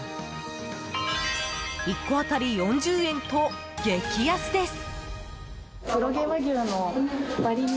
１個当たり４０円と激安です。